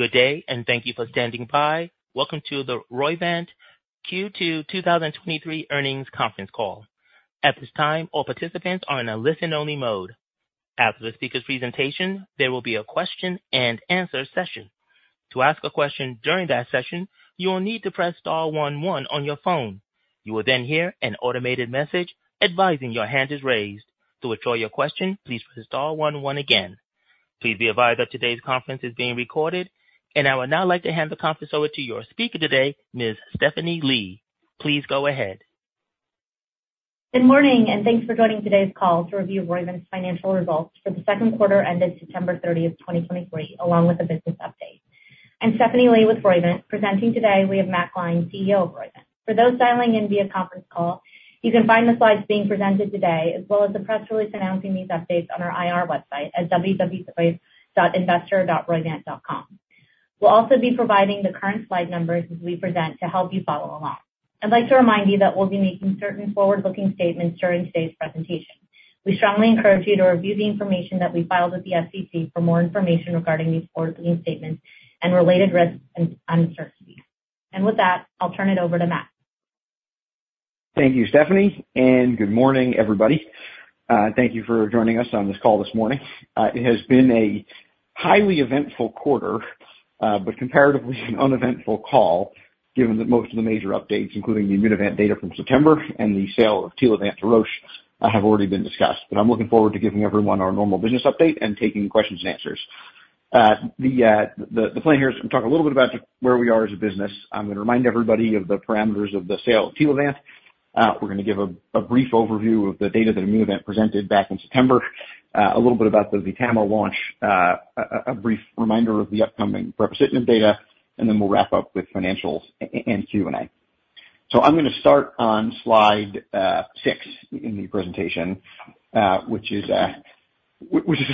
Good day, and thank you for standing by. Welcome to the Roivant Q2 2023 earnings conference call. At this time, all participants are in a listen-only mode. After the speaker's presentation, there will be a question-and-answer session. To ask a question during that session, you will need to press star one one on your phone. You will then hear an automated message advising your hand is raised. To withdraw your question, please press star one one again. Please be advised that today's conference is being recorded. I would now like to hand the conference over to your speaker today, Ms. Stephanie Lee. Please go ahead. Good morning, and thanks for joining today's call to review Roivant's financial results for the second quarter ended September thirtieth, 2023, along with a business update. I'm Stephanie Lee with Roivant. Presenting today, we have Matt Gline, CEO of Roivant. For those dialing in via conference call, you can find the slides being presented today, as well as the press release announcing these updates on our IR website at www.investor.roivant.com. We'll also be providing the current slide numbers as we present to help you follow along. I'd like to remind you that we'll be making certain forward-looking statements during today's presentation. We strongly encourage you to review the information that we filed with the SEC for more information regarding these forward-looking statements and related risks and uncertainties. With that, I'll turn it over to Matt. Thank you, Stephanie, and good morning, everybody. Thank you for joining us on this call this morning. It has been a highly eventful quarter, but comparatively an uneventful call, given that most of the major updates, including the Immunovant data from September and the sale of Telavant to Roche, have already been discussed. But I'm looking forward to giving everyone our normal business update and taking questions and answers. The plan here is to talk a little bit about where we are as a business. I'm going to remind everybody of the parameters of the sale of Telavant. We're going to give a brief overview of the data that Immunovant presented back in September. A little bit about the VTAMA launch. A brief reminder of the upcoming brepocitinib data, and then we'll wrap up with financials and Q&A. So I'm going to start on slide six in the presentation, which is a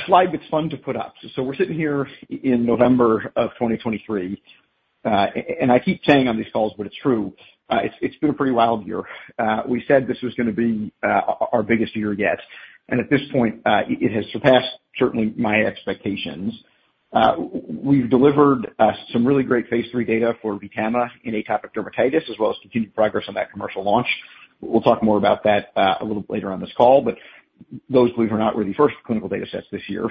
slide that's fun to put up. So we're sitting here in November of 2023, and I keep saying on these calls, but it's true, it's been a pretty wild year. We said this was going to be our biggest year yet, and at this point, it has surpassed certainly my expectations. We've delivered some really great Phase III data for VTAMA in atopic dermatitis, as well as continued progress on that commercial launch. We'll talk more about that a little later on this call, but those, believe it or not, were the first clinical data sets this year.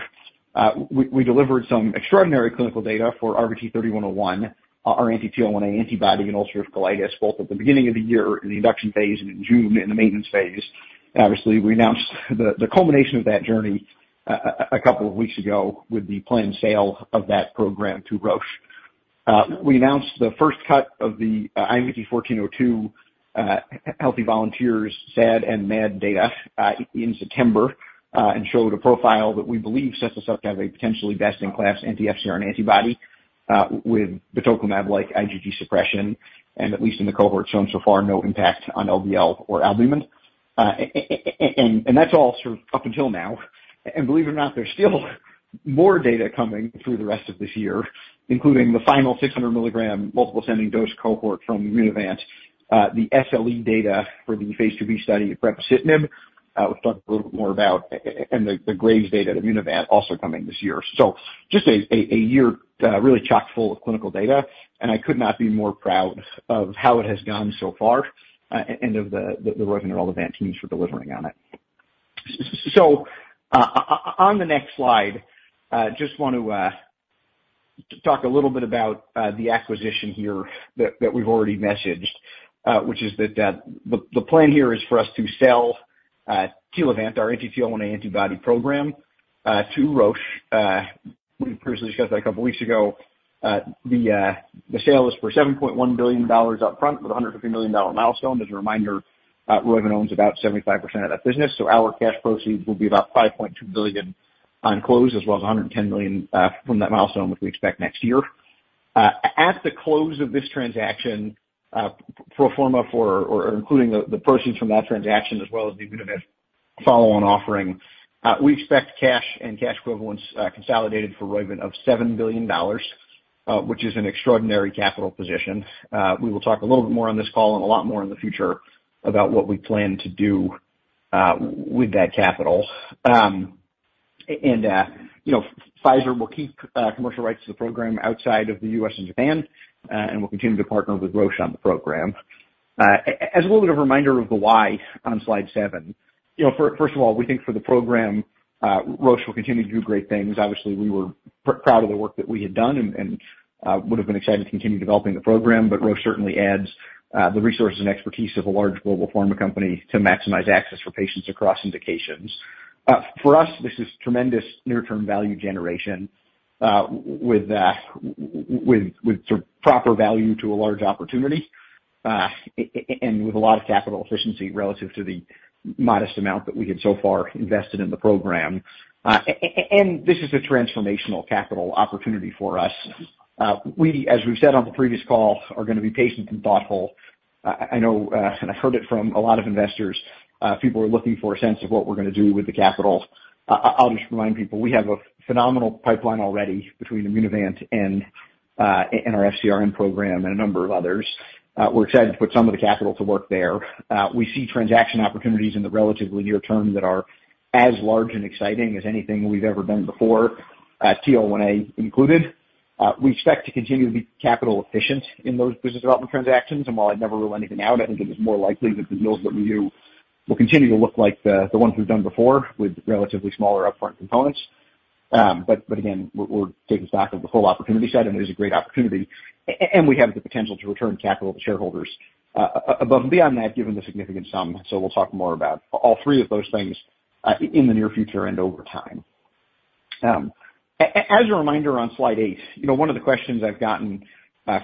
We delivered some extraordinary clinical data for RVT-3101, our anti-TL1A antibody in ulcerative colitis, both at the beginning of the year in the induction phase and in June in the maintenance phase. Obviously, we announced the culmination of that journey a couple of weeks ago with the planned sale of that program to Roche. We announced the first cut of the IMVT-1402 healthy volunteers SAD and MAD data in September, and showed a profile that we believe sets us up to have a potentially best-in-class anti-FcRn antibody, with rituximab-like IgG suppression, and at least in the cohort shown so far, no impact on LDL or albumin. And that's all sort of up until now, and believe it or not, there's still more data coming through the rest of this year, including the final 600 milligram multiple ascending dose cohort from Immunovant, the SLE data for the phase II-B study of brepocitinib. We'll talk a little bit more about and the Graves' data at Immunovant also coming this year. So just a year really chock-full of clinical data, and I could not be more proud of how it has gone so far and of the Roivant and all the Vant teams for delivering on it. So, on the next slide, just want to talk a little bit about the acquisition here that we've already messaged, which is that the plan here is for us to sell Telavant, our anti-TL1A antibody program, to Roche. We previously discussed that a couple weeks ago. The sale is for $7.1 billion up front, with a $150 million milestone. As a reminder, Roivant owns about 75% of that business, so our cash proceeds will be about $5.2 billion on close, as well as $110 million from that milestone, which we expect next year. At the close of this transaction, pro forma for, or including the proceeds from that transaction, as well as the Immunovant follow-on offering, we expect cash and cash equivalents, consolidated for Roivant of $7 billion, which is an extraordinary capital position. We will talk a little bit more on this call and a lot more in the future about what we plan to do, with that capital. You know, Pfizer will keep commercial rights to the program outside of the US and Japan, and will continue to partner with Roche on the program. As a little bit of a reminder of the why on slide seven, you know, first of all, we think for the program, Roche will continue to do great things. Obviously, we were proud of the work that we had done and would have been excited to continue developing the program. But Roche certainly adds the resources and expertise of a large global pharma company to maximize access for patients across indications. For us, this is tremendous near-term value generation with proper value to a large opportunity, and this is a transformational capital opportunity for us. We, as we've said on the previous call, are going to be patient and thoughtful. I know, and I've heard it from a lot of investors, people are looking for a sense of what we're going to do with the capital. I'll just remind people, we have a phenomenal pipeline already between Immunovant and and our FcRn program and a number of others. We're excited to put some of the capital to work there. We see transaction opportunities in the relatively near term that are as large and exciting as anything we've ever done before, TL1A included. We expect to continue to be capital efficient in those business development transactions, and while I'd never rule anything out, I think it is more likely that the deals that we do will continue to look like the, the ones we've done before, with relatively smaller upfront components. But, but again, we're, we're taking stock of the whole opportunity set, and it is a great opportunity, and we have the potential to return capital to shareholders, above and beyond that, given the significant sum. So we'll talk more about all three of those things in the near future and over time. As a reminder on slide eight, you know, one of the questions I've gotten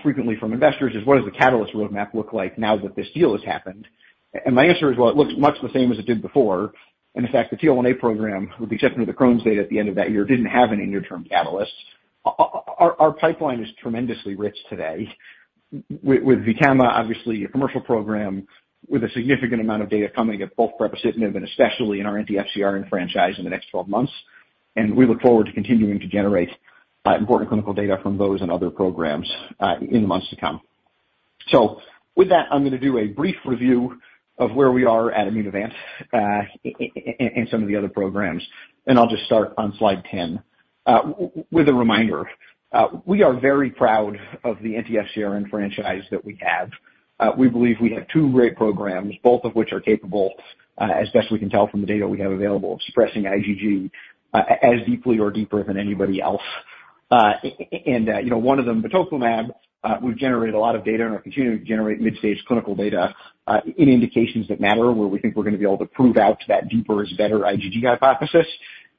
frequently from investors is, what does the catalyst roadmap look like now that this deal has happened? And my answer is, well, it looks much the same as it did before. And in fact, the TL1A program, with the exception of the Crohn's data at the end of that year, didn't have any near-term catalysts. Our pipeline is tremendously rich today. With VTAMA, obviously, a commercial program with a significant amount of data coming at both Priovant and even especially in our anti-FcRn franchise in the next 12 months. And we look forward to continuing to generate important clinical data from those and other programs in the months to come. So with that, I'm going to do a brief review of where we are at Immunovant, and some of the other programs, and I'll just start on slide 10. With a reminder, we are very proud of the anti-FcRn franchise that we have. We believe we have two great programs, both of which are capable, as best we can tell from the data we have available, of suppressing IgG, as deeply or deeper than anybody else. And, you know, one of them, Rituximab, we've generated a lot of data and are continuing to generate mid-stage clinical data, in indications that matter, where we think we're going to be able to prove out that deeper is better IgG hypothesis.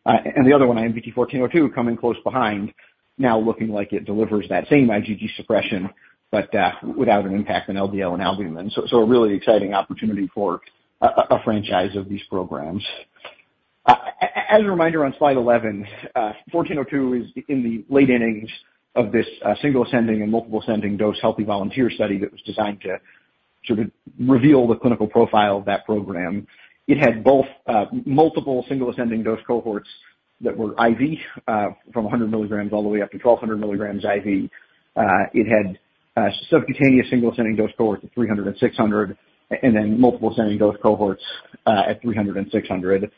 And the other one, IMVT-1402, coming close behind, now looking like it delivers that same IgG suppression, but without an impact on LDL and albumin. So, a really exciting opportunity for a franchise of these programs. As a reminder, on slide 11, 1402 is in the late innings of this single ascending and multiple ascending dose healthy volunteer study that was designed to sort of reveal the clinical profile of that program. It had both multiple single ascending dose cohorts that were IV from 100 milligrams all the way up to 1200 milligrams IV. It had subcutaneous single ascending dose cohorts of 300 and 600, and then multiple ascending dose cohorts at 300 and 600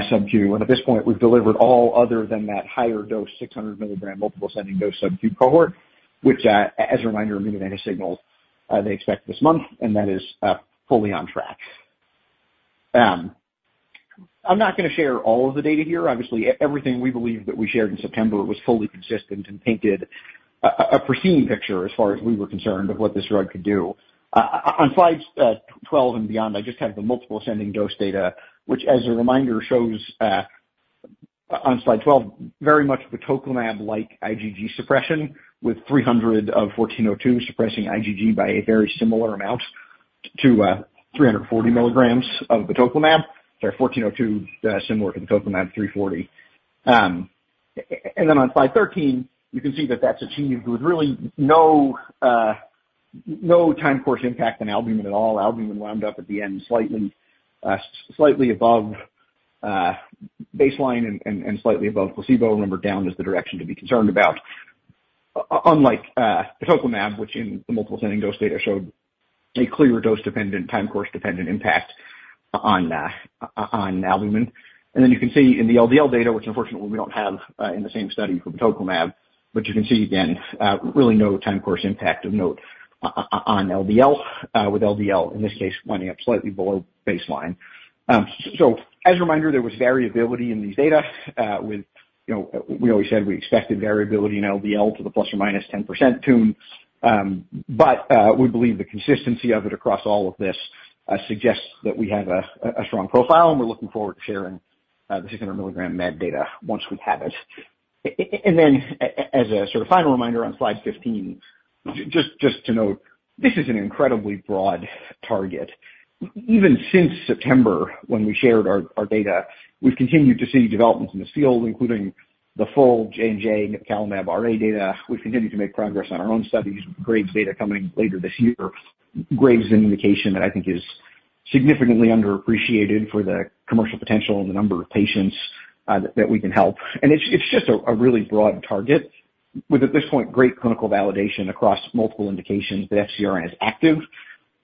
subQ. At this point, we've delivered all other than that higher dose, 600 milligram multiple ascending dose subQ cohort, which, as a reminder, Immunovant signaled, they expect this month, and that is, fully on track. I'm not going to share all of the data here. Obviously, everything we believe that we shared in September was fully consistent and painted a, a, a pristine picture as far as we were concerned, of what this drug could do. On slides 12 and beyond, I just have the multiple ascending dose data, which as a reminder, shows, on slide 12, very much Rituximab like IgG suppression, with 300 of 1402 suppressing IgG by a very similar amount to, 340 milligrams of Rituximab. Sorry, 1402, similar to Rituximab 340. And then on slide 13, you can see that that's achieved with really no time course impact on albumin at all. Albumin wound up at the end, slightly above baseline and slightly above placebo. Remember, down is the direction to be concerned about. Unlike Rituximab, which in the multiple ascending dose data showed a clear dose-dependent, time course-dependent impact on albumin. And then you can see in the LDL data, which unfortunately we don't have in the same study for Rituximab, but you can see again really no time course impact of note on LDL, with LDL in this case winding up slightly below baseline. So as a reminder, there was variability in these data, with you know, we always said we expected variability in LDL to the plus or minus 10% tune. But we believe the consistency of it across all of this suggests that we have a strong profile, and we're looking forward to sharing the 600 milligram MAD data once we have it. And then as a sort of final reminder on slide 15, just to note, this is an incredibly broad target. Even since September, when we shared our data, we've continued to see developments in this field, including the full J&J nipocalimab RA data. We've continued to make progress on our own studies, Graves' data coming later this year. Graves' is an indication that I think is significantly underappreciated for the commercial potential and the number of patients that we can help. It's just a really broad target with, at this point, great clinical validation across multiple indications that FcRn is active,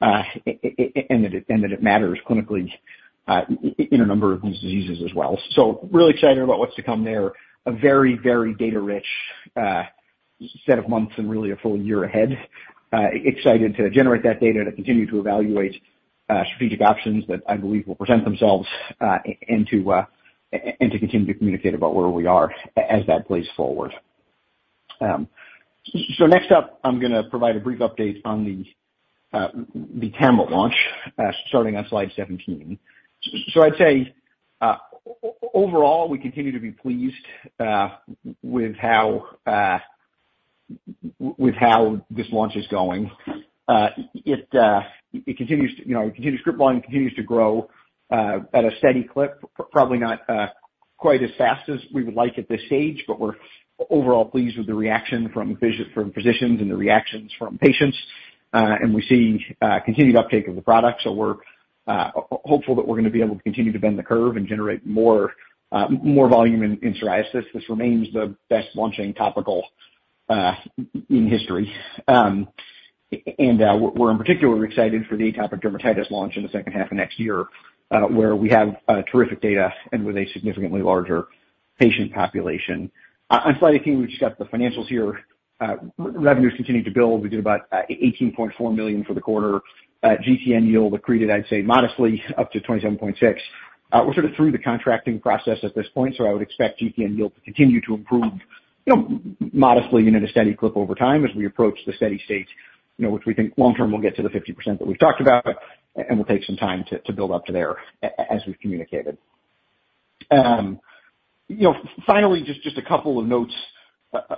and that it matters clinically in a number of these diseases as well. So really excited about what's to come there. A very, very data rich set of months and really a full year ahead. Excited to generate that data, to continue to evaluate strategic options that I believe will present themselves, and to continue to communicate about where we are as that plays forward. So next up, I'm going to provide a brief update on the VTAMA launch, starting on slide 17. So I'd say, overall, we continue to be pleased with how this launch is going. It continues to, you know, it continues—script volume continues to grow at a steady clip. Probably not quite as fast as we would like at this stage, but we're overall pleased with the reaction from physicians and the reactions from patients. And we see continued uptake of the product, so we're hopeful that we're going to be able to continue to bend the curve and generate more volume in psoriasis. This remains the best launching topical in history. And we're in particular excited for the atopic dermatitis launch in the second half of next year, where we have terrific data and with a significantly larger patient population. On slide 18, we've just got the financials here. Revenues continued to build. We did about $18.4 million for the quarter. GTN yield accreted, I'd say modestly up to 27.6%. We're sort of through the contracting process at this point, so I would expect GTN yield to continue to improve, you know, modestly and at a steady clip over time as we approach the steady state, you know, which we think long term will get to the 50% that we've talked about, and will take some time to build up to there as we've communicated. You know, finally, just a couple of notes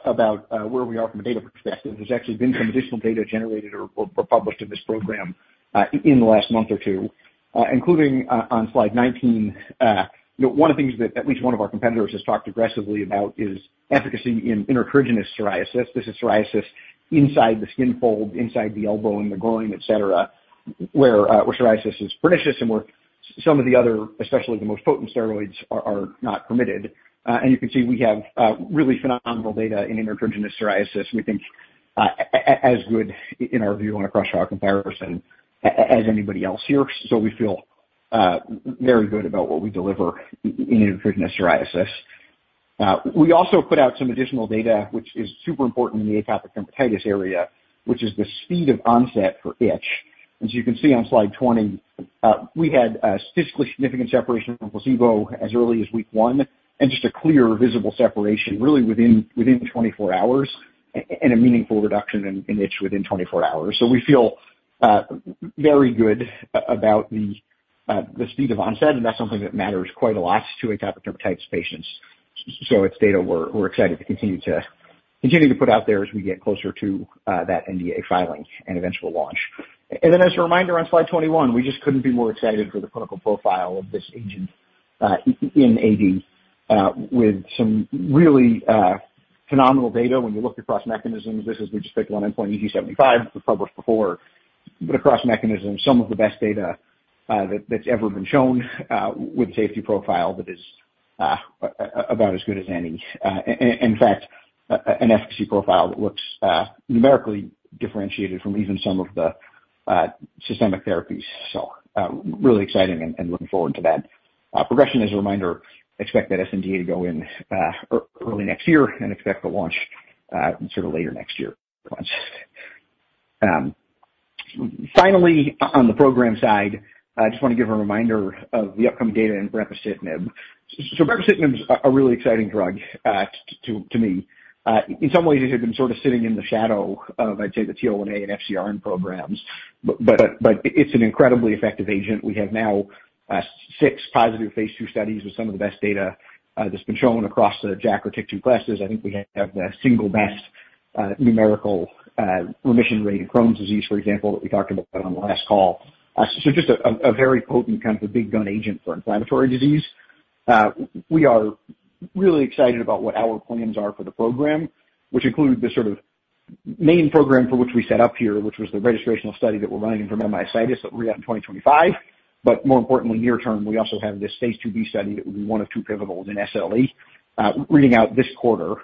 about where we are from a data perspective. There's actually been some additional data generated or published in this program in the last month or two, including on slide 19. You know, one of the things that at least one of our competitors has talked aggressively about is efficacy in intertriginous psoriasis. This is psoriasis inside the skin fold, inside the elbow, in the groin, et cetera, where psoriasis is pernicious and where some of the other, especially the most potent steroids, are not permitted. And you can see we have really phenomenal data in intertriginous psoriasis. We think, as good in our view, on a cross-arm comparison as anybody else here. So we feel very good about what we deliver in intertriginous psoriasis. We also put out some additional data, which is super important in the atopic dermatitis area, which is the speed of onset for itch. As you can see on slide 20, we had a statistically significant separation from placebo as early as week one, and just a clear visible separation really within 24 hours and a meaningful reduction in itch within 24 hours. So we feel very good about the speed of onset, and that's something that matters quite a lot to atopic dermatitis patients. So it's data we're excited to continue to put out there as we get closer to that NDA filing and eventual launch. And then as a reminder, on slide 21, we just couldn't be more excited for the clinical profile of this agent in AD with some really phenomenal data when you look across mechanisms. This is, we just picked one endpoint, EASI-75, we've published before, but across mechanisms, some of the best data that that's ever been shown with safety profile that is about as good as any. And in fact, an efficacy profile that looks numerically differentiated from even some of the systemic therapies. So really exciting and looking forward to that. Progression, as a reminder, expect that sNDA to go in early next year and expect a launch sort of later next year. Finally, on the program side, I just want to give a reminder of the upcoming data in brepocitinib. So brepocitinib is a really exciting drug to me. In some ways it had been sort of sitting in the shadow of, I'd say, the TL1A and FcRn programs, but it's an incredibly effective agent. We have now six positive phase II studies with some of the best data that's been shown across the JAK or TYK2 classes. I think we have the single best numerical remission rate in Crohn's disease, for example, that we talked about on the last call. So just a very potent kind of a big gun agent for inflammatory disease. We are really excited about what our plans are for the program, which include the sort of main program for which we set up here, which was the registrational study that we're running for myositis that we'll read out in 2025. But more importantly, near term, we also have this phase II-B study that will be one of two pivotals in SLE, reading out this quarter.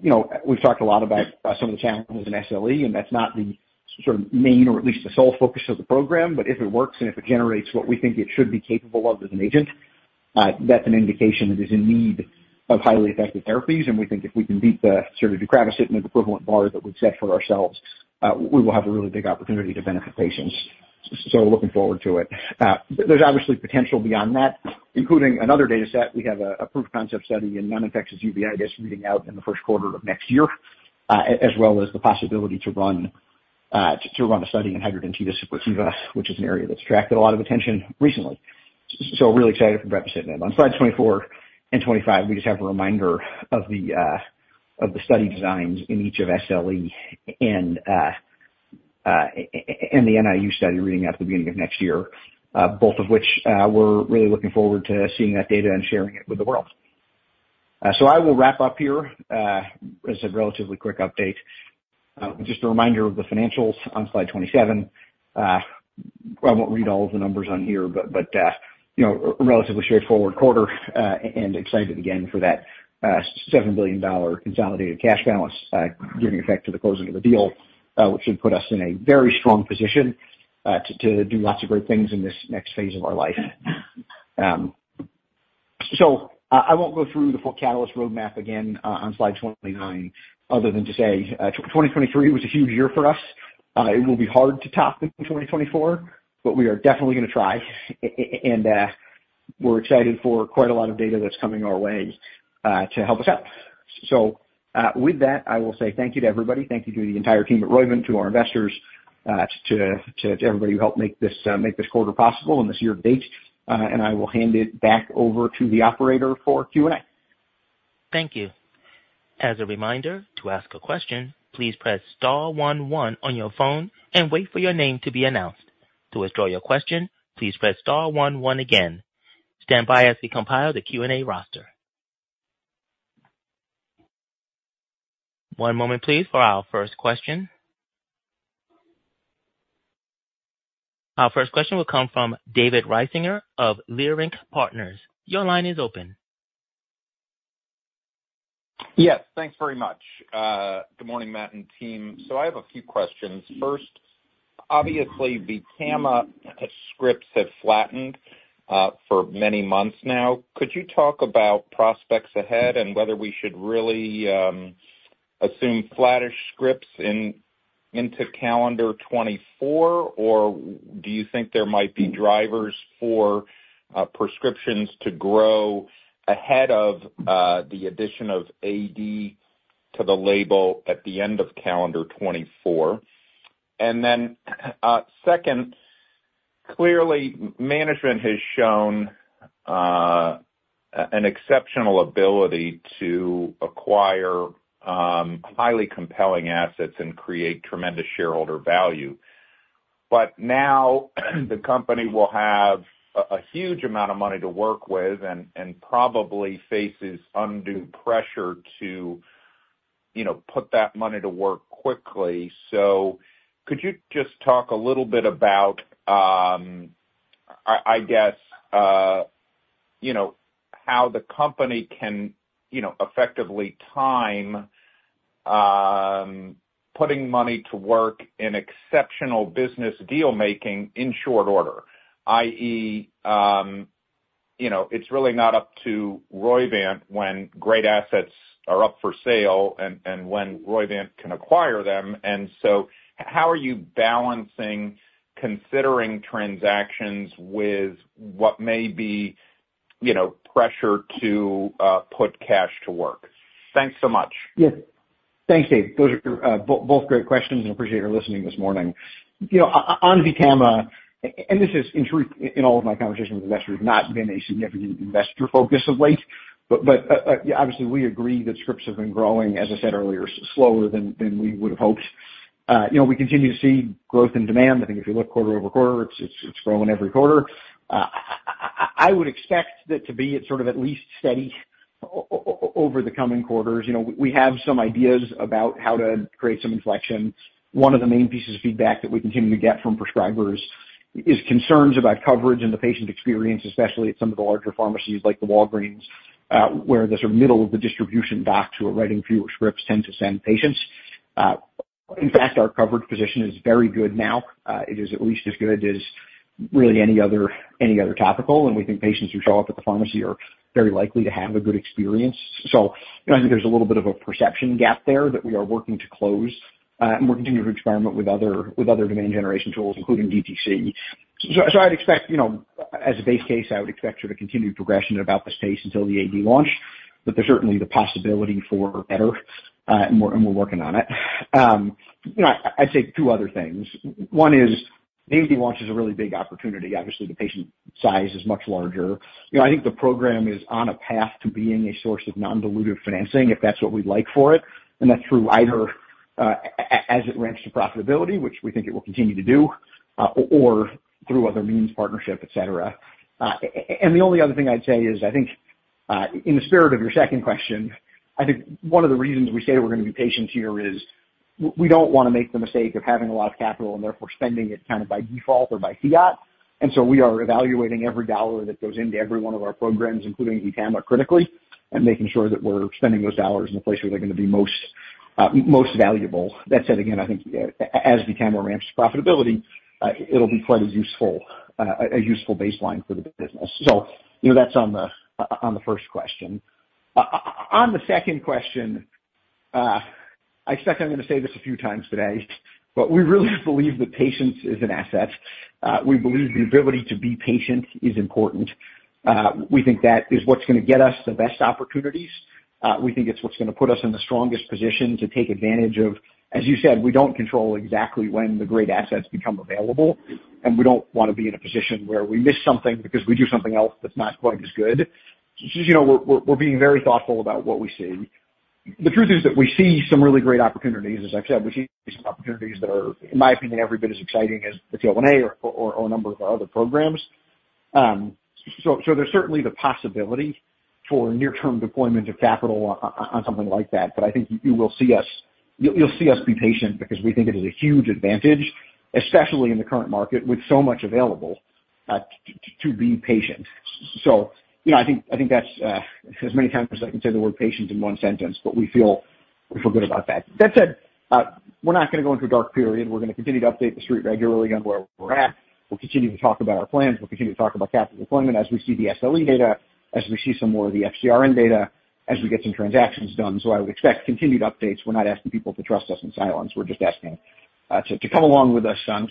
You know, we've talked a lot about some of the challenges in SLE, and that's not the sort of main or at least the sole focus of the program. But if it works and if it generates what we think it should be capable of as an agent, that's an indication that is in need of highly effective therapies. And we think if we can beat the sort of the deucravacitinib equivalent bar that we've set for ourselves, we will have a really big opportunity to benefit patients. So we're looking forward to it. There's obviously potential beyond that, including another data set. We have a proof of concept study in non-infectious uveitis that's reading out in the first quarter of next year, as well as the possibility to run a study in hidradenitis suppurativa, which is an area that's attracted a lot of attention recently. So really excited for brepocitinib. On slide 24 and 25, we just have a reminder of the study designs in each of SLE and the NIU study reading out at the beginning of next year, both of which we're really looking forward to seeing that data and sharing it with the world. So I will wrap up here. It's a relatively quick update. Just a reminder of the financials on slide 27. I won't read all of the numbers on here, but, but, you know, relatively straightforward quarter, and excited again for that $7 billion consolidated cash balance, giving effect to the closing of the deal, which should put us in a very strong position, to do lots of great things in this next phase of our life. So I won't go through the full catalyst roadmap again, on slide 29, other than to say, 2023 was a huge year for us. It will be hard to top in 2024, but we are definitely gonna try, and, we're excited for quite a lot of data that's coming our way, to help us out. So, with that, I will say thank you to everybody. Thank you to the entire team at Roivant, to our investors, to everybody who helped make this quarter possible and this year to date. I will hand it back over to the operator for Q&A. Thank you. As a reminder, to ask a question, please press star one one on your phone and wait for your name to be announced. To withdraw your question, please press star one one again. Stand by as we compile the Q&A roster. One moment, please, for our first question. Our first question will come from David Risinger of Leerink Partners. Your line is open. Yes, thanks very much. Good morning, Matt and team. So I have a few questions. First, obviously, the VTAMA scripts have flattened for many months now. Could you talk about prospects ahead and whether we should really assume flattish scripts into calendar 2024? Or do you think there might be drivers for prescriptions to grow ahead of the addition of AD to the label at the end of calendar 2024? And then, second, clearly, management has shown an exceptional ability to acquire highly compelling assets and create tremendous shareholder value. But now, the company will have a huge amount of money to work with and probably faces undue pressure to, you know, put that money to work quickly. So could you just talk a little bit about, I guess, you know, how the company can, you know, effectively time putting money to work in exceptional business deal making in short order, i.e., you know, it's really not up to Roivant when great assets are up for sale and, and when Roivant can acquire them. So how are you balancing, considering transactions with what may be, you know, pressure to put cash to work? Thanks so much. Yeah. Thanks, Dave. Those are both great questions, and appreciate your listening this morning. You know, on VTAMA, and this is, in truth, in all of my conversations with investors, not been a significant investor focus of late. But, obviously, we agree that scripts have been growing, as I said earlier, slower than we would have hoped. You know, we continue to see growth and demand. I think if you look quarter-over-quarter, it's growing every quarter. I would expect that to be at sort of at least steady over the coming quarters. You know, we have some ideas about how to create some inflection. One of the main pieces of feedback that we continue to get from prescribers is concerns about coverage and the patient experience, especially at some of the larger pharmacies, like the Walgreens, where the sort of middle of the distribution docs who are writing fewer scripts tend to send patients. In fact, our coverage position is very good now. It is at least as good as really any other, any other topical, and we think patients who show up at the pharmacy are very likely to have a good experience. So, you know, I think there's a little bit of a perception gap there that we are working to close, and we're continuing to experiment with other, with other demand generation tools, including DTC. I'd expect, you know, as a base case, I would expect sort of continued progression about this pace until the AD launch, but there's certainly the possibility for better, and we're, and we're working on it. You know, I'd say two other things. One is, the AD launch is a really big opportunity. Obviously, the patient size is much larger. You know, I think the program is on a path to being a source of non-dilutive financing, if that's what we'd like for it, and that's through either, as it ramps to profitability, which we think it will continue to do, or through other means, partnership, et cetera. And the only other thing I'd say is, I think, in the spirit of your second question, I think one of the reasons we say we're going to be patient here is we don't want to make the mistake of having a lot of capital and therefore spending it kind of by default or by fiat. And so we are evaluating every dollar that goes into every one of our programs, including VTAMA, critically, and making sure that we're spending those dollars in a place where they're going to be most valuable. That said, again, I think, as VTAMA ramps to profitability, it'll be quite a useful baseline for the business. So, you know, that's on the first question. On the second question, I expect I'm going to say this a few times today, but we really believe that patience is an asset. We believe the ability to be patient is important. We think that is what's going to get us the best opportunities. We think it's what's going to put us in the strongest position to take advantage of, As you said, we don't control exactly when the great assets become available, and we don't want to be in a position where we miss something because we do something else that's not quite as good. As you know, we're, we're, we're being very thoughtful about what we see. The truth is that we see some really great opportunities. As I've said, we see some opportunities that are, in my opinion, every bit as exciting as the TL1A or a number of our other programs. So there's certainly the possibility for near-term deployment of capital on something like that. But I think you will see us—you'll see us be patient because we think it is a huge advantage, especially in the current market, with so much available to be patient. So, you know, I think that's as many times as I can say the word patient in one sentence, but we feel good about that. That said, we're not going to go into a dark period. We're going to continue to update the street regularly on where we're at. We'll continue to talk about our plans. We'll continue to talk about capital deployment as we see the SLE data, as we see some more of the FcRn data, as we get some transactions done. So I would expect continued updates. We're not asking people to trust us in silence. We're just asking to come along with us on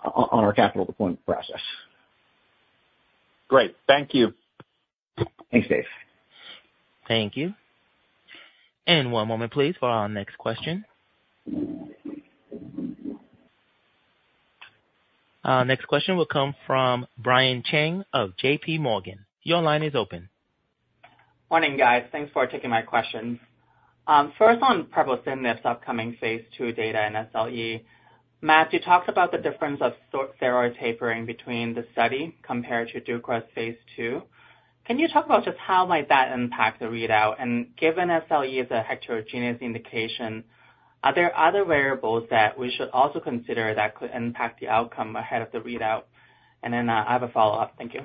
our capital deployment process. Great. Thank you. Thanks, Dave. Thank you. One moment, please, for our next question. Next question will come from Brian Cheng of JP Morgan. Your line is open. Morning, guys. Thanks for taking my questions. First on brepocitinib, this upcoming phase II data in SLE. Matt, you talked about the difference of short steroid tapering between the study compared to deucravacitinib phase II. Can you talk about just how might that impact the readout? And given SLE is a heterogeneous indication. Are there other variables that we should also consider that could impact the outcome ahead of the readout? And then, I have a follow-up. Thank you.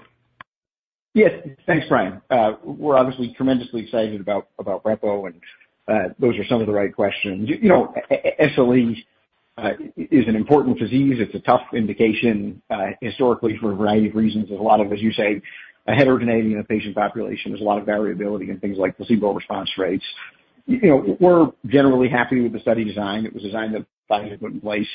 Yes. Thanks, Brian. We're obviously tremendously excited about Brepo, and those are some of the right questions. You know, SLE is an important disease. It's a tough indication historically for a variety of reasons. There's a lot of, as you say, a heterogeneity in the patient population. There's a lot of variability in things like placebo response rates. You know, we're generally happy with the study design. It was designed by Goodman Lase,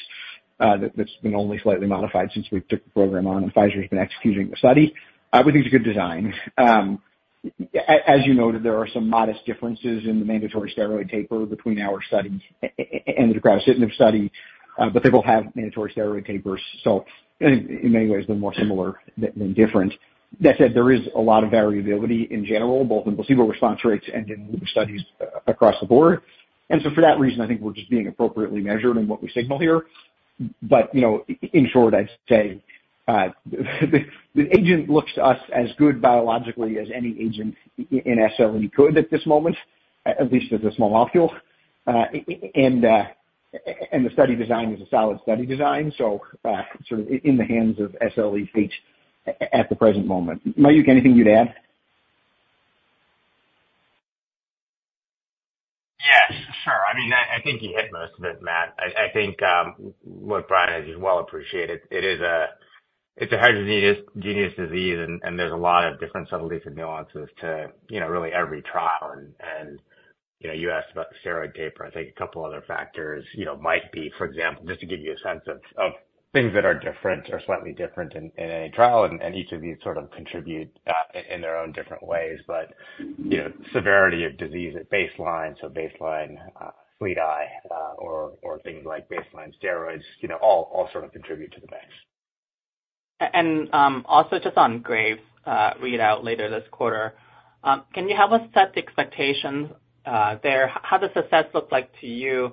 that's been only slightly modified since we took the program on and Pfizer's been executing the study. We think it's a good design. As you noted, there are some modest differences in the mandatory steroid taper between our study and the Graves study, but they both have mandatory steroid tapers, so in many ways they're more similar than different. That said, there is a lot of variability in general, both in placebo response rates and in studies across the board. And so for that reason, I think we're just being appropriately measured in what we signal here. But, you know, in short, I'd say, the agent looks to us as good biologically as any agent in SLE could at this moment, at least as a small molecule. And the study design is a solid study design, so, sort of in the hands of SLE phase at the present moment. Mayukh, anything you'd add? Yes, sure. I mean, I think you hit most of it, Matt. I think, look, Brian, as you well appreciate it, it's a heterogeneous disease, and there's a lot of different subtleties and nuances to, you know, really every trial. And, you know, you asked about the steroid taper. I think a couple other factors, you know, might be, for example, just to give you a sense of things that are different or slightly different in any trial, and each of these sort of contribute in their own different ways. But, you know, severity of disease at baseline, so baseline proptosis or things like baseline steroids, you know, all sort of contribute to the mix. And also just on Graves, readout later this quarter, can you help us set the expectations there? How does success look like to you?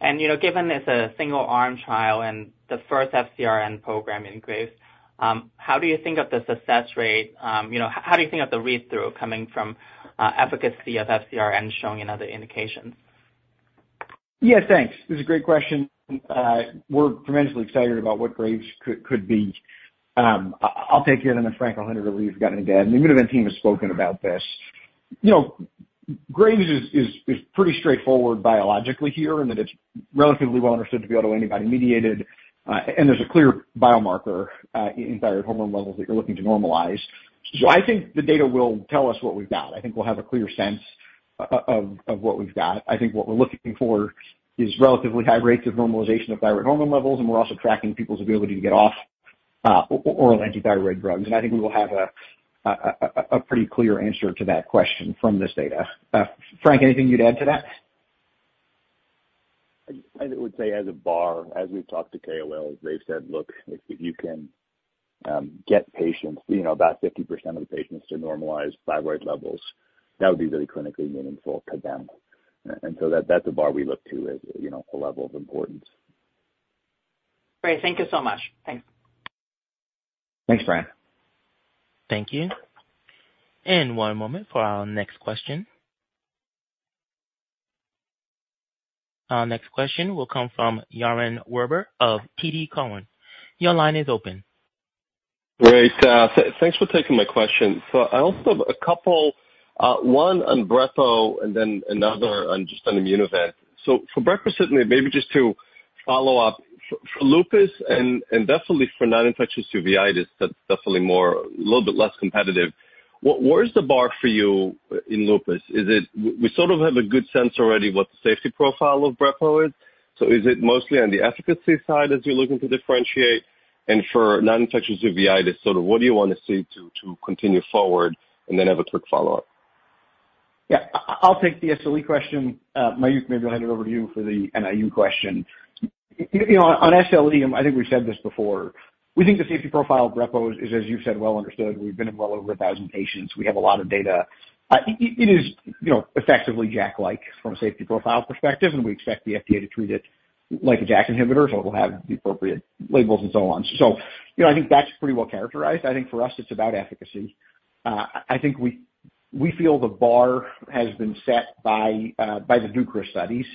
And, you know, given it's a single arm trial and the first FcRn program in Graves, how do you think of the success rate? You know, how do you think of the read-through coming from efficacy of FcRn showing in other indications? Yeah, thanks. This is a great question. We're tremendously excited about what Graves could be. I'll take it, and then Frank, I'll hand it over to you if you've got anything to add. The Immunovant team has spoken about this. You know, Graves is pretty straightforward biologically here, in that it's relatively well understood to be autoantibody mediated, and there's a clear biomarker in thyroid hormone levels that you're looking to normalize. So I think the data will tell us what we've got. I think we'll have a clear sense of what we've got. I think what we're looking for is relatively high rates of normalization of thyroid hormone levels, and we're also tracking people's ability to get off oral antithyroid drugs. I think we will have a pretty clear answer to that question from this data. Frank, anything you'd add to that? I would say as a bar, as we've talked to KOL, they've said, "Look, if you can get patients, you know, about 50% of the patients to normalize thyroid levels, that would be really clinically meaningful to them." And so that's the bar we look to as, you know, a level of importance. Great, thank you so much. Thanks. Thanks, Brian. Thank you. One moment for our next question. Our next question will come from Yaron Werber of TD Cowen. Your line is open. Great. Thanks for taking my question. So I also have a couple, one on Brepo and then another on just on Immunovant. So for Brepo, maybe just to follow up, for lupus and, and definitely for non-infectious uveitis, that's definitely more a little bit less competitive. Where is the bar for you in lupus? Is it? We sort of have a good sense already what the safety profile of Brepo is. So is it mostly on the efficacy side as you're looking to differentiate? And for non-infectious uveitis, sort of what do you want to see to continue forward, and then have a quick follow-up? Yeah. I'll take the SLE question. Mayukh, maybe I'll hand it over to you for the NIU question. You know, on SLE, I think we've said this before: We think the safety profile of Brepo is, as you've said, well understood. We've been in well over 1,000 patients. We have a lot of data. It is, you know, effectively JAK-like from a safety profile perspective, and we expect the FDA to treat it like a JAK inhibitor, so it will have the appropriate labels and so on. So, you know, I think that's pretty well characterized. I think for us, it's about efficacy. I think we feel the bar has been set by the deucravacitinib studies,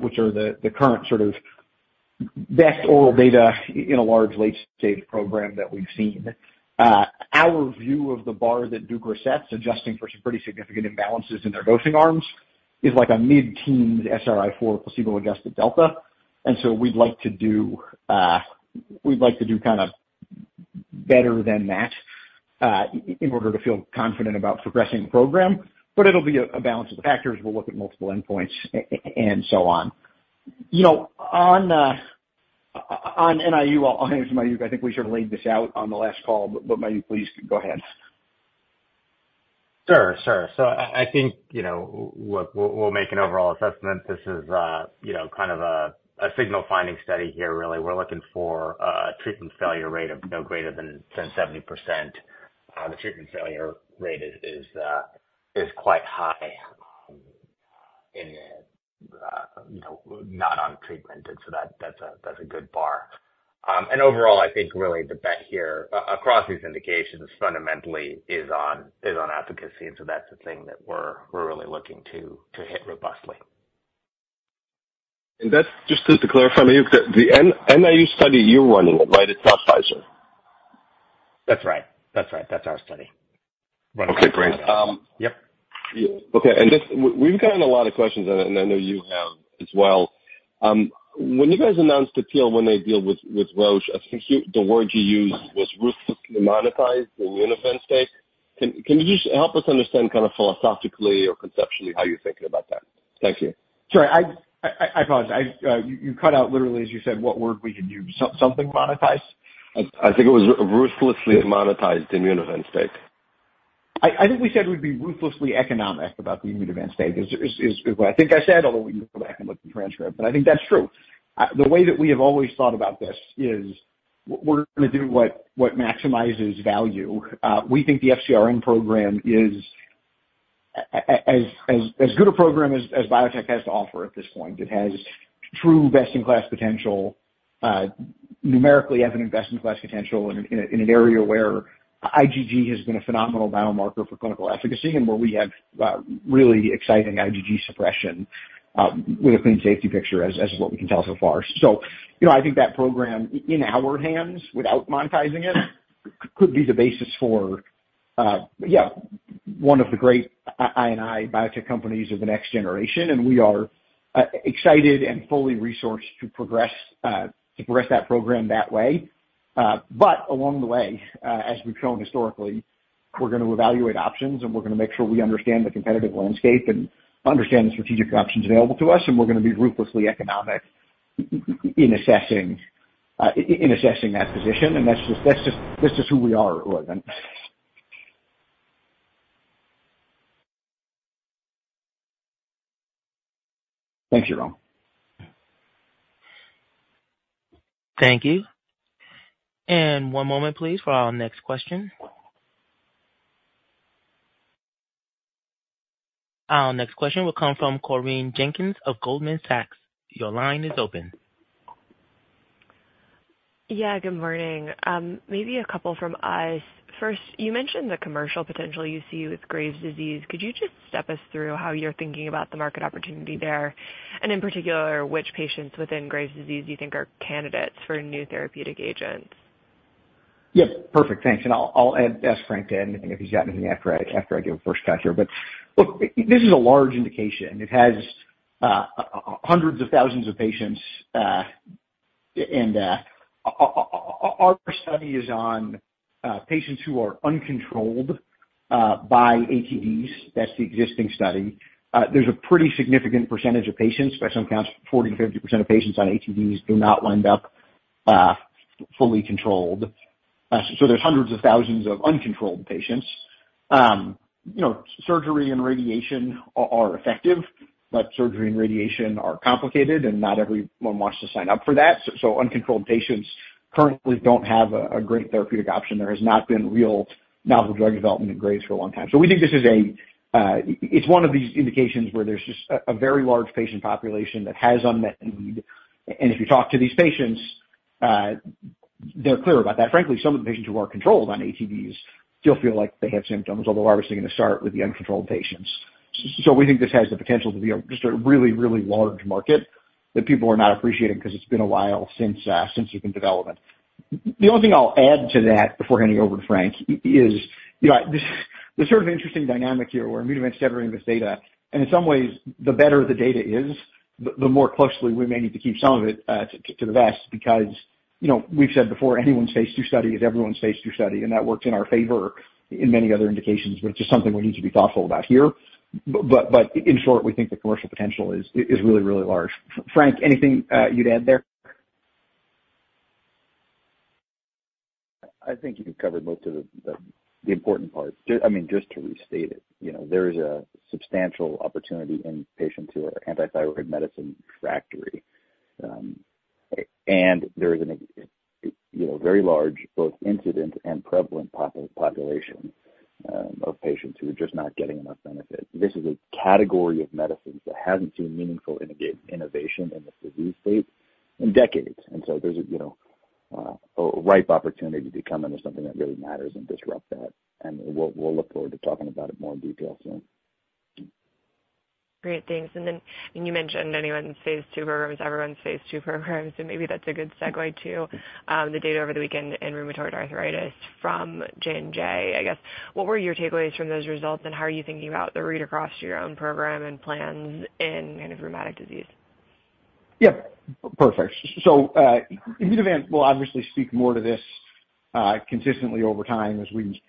which are the current sort of best oral data in a large, late-stage program that we've seen. Our view of the bar that deucravacitinib sets, adjusting for some pretty significant imbalances in their dosing arms, is like a mid-teen SRI-4 placebo-adjusted delta. And so we'd like to do, we'd like to do kind of better than that, in order to feel confident about progressing the program, but it'll be a balance of factors. We'll look at multiple endpoints and so on. You know, on NIU, I'll hand it to Mayukh. I think we sort of laid this out on the last call, but, but Mayukh, please go ahead. Sure, sure. So I think, you know, we'll make an overall assessment. This is, you know, kind of a signal finding study here, really. We're looking for a treatment failure rate of no greater than 10%-70%. The treatment failure rate is quite high, in, you know, med Treatment, and so that, that's a good bar. And overall, I think really the bet here across these indications fundamentally is on efficacy, and so that's the thing that we're really looking to hit robustly. That's just to clarify, I mean, the NIU study, you're running it, right? It's not Pfizer. That's right. That's right. That's our study. Okay, great. Um, yep. Okay, and just we've gotten a lot of questions, and I know you have as well. When you guys announced the deal, the deal with Roche, I think the word you used was ruthlessly monetized the ImmunoVants estate. Can you just help us understand kind of philosophically or conceptually how you're thinking about that? Thank you. Sorry, I apologize. You cut out literally as you said, what word we could use. Something monetized? I think it was ruthlessly monetized Immunovant. I think we said we'd be ruthlessly economic about the Immunovant situation is what I think I said, although we can go back and look at the transcript, but I think that's true. The way that we have always thought about this is we're gonna do what maximizes value. We think the FcRn program is as good a program as biotech has to offer at this point. It has true best-in-class potential, numerically evident best-in-class potential in an area where IgG has been a phenomenal biomarker for clinical efficacy, and where we have really exciting IgG suppression with a clean safety picture, as what we can tell so far. So, you know, I think that program in our hands, without monetizing it, could be the basis for one of the great biotech companies of the next generation, and we are excited and fully resourced to progress that program that way. But along the way, as we've shown historically, we're gonna evaluate options, and we're gonna make sure we understand the competitive landscape and understand the strategic options available to us, and we're gonna be ruthlessly economic in assessing that position. And that's just who we are at Roivant. Thank you, Ron. Thank you. One moment, please, for our next question. Our next question will come from Corinne Jenkins of Goldman Sachs. Your line is open. Yeah, good morning. Maybe a couple from us. First, you mentioned the commercial potential you see with Graves' disease. Could you just step us through how you're thinking about the market opportunity there, and in particular, which patients within Graves' disease you think are candidates for new therapeutic agents? Yes, perfect, thanks. And I'll ask Frank to add anything if he's got anything after I give a first cut here. But look, this is a large indication. It has hundreds of thousands of patients, and our study is on patients who are uncontrolled by ATDs. That's the existing study. There's a pretty significant percentage of patients, by some counts, 40%-50% of patients on ATDs do not wind up fully controlled. So there's hundreds of thousands of uncontrolled patients. You know, surgery and radiation are effective, but surgery and radiation are complicated, and not everyone wants to sign up for that. So uncontrolled patients currently don't have a great therapeutic option. There has not been real novel drug development in Graves for a long time. So we think this is a, It's one of these indications where there's just a, a very large patient population that has unmet need. And if you talk to these patients, they're clear about that. Frankly, some of the patients who are controlled on ATDs still feel like they have symptoms, although obviously gonna start with the uncontrolled patients. So we think this has the potential to be a, just a really, really large market that people are not appreciating, because it's been a while since, since we've been developing. The only thing I'll add to that, before handing over to Frank, is, you know, this, there's sort of an interesting dynamic here where immunophenotyping this data, and in some ways, the better the data is, the, the more closely we may need to keep some of it, to, to the vest. Because, you know, we've said before, anyone's phase II study is everyone's phase II study, and that works in our favor in many other indications. But it's just something we need to be thoughtful about here. But in short, we think the commercial potential is really, really large. Frank, anything you'd add there? I think you've covered most of the important parts. I mean, just to restate it, you know, there is a substantial opportunity in patients who are antithyroid medicine refractory. And there is a, you know, very large, both incident and prevalent population of patients who are just not getting enough benefit. This is a category of medicines that hasn't seen meaningful innovation in the disease state in decades. And so there's a, you know, a ripe opportunity to come into something that really matters and disrupt that, and we'll look forward to talking about it more in detail soon. Great, thanks. And then, and you mentioned anyone's phase II programs, everyone's phase II programs, so maybe that's a good segue to the data over the weekend in rheumatoid arthritis from J&J. I guess, what were your takeaways from those results, and how are you thinking about the read across to your own program and plans in kind of rheumatic disease? Yep, perfect. So, Immunovant will obviously speak more to this consistently over time as we